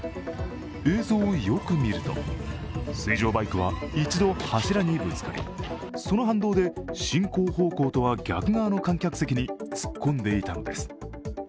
映像をよく見ると、水上バイクは一度、柱にぶつかり一度柱にぶつかりその反動で進行方向とは逆の観客席に突っ込んでいたのです。